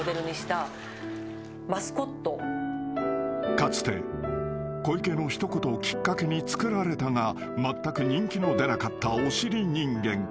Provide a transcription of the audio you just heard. ［かつて小池の一言をきっかけに作られたがまったく人気の出なかった］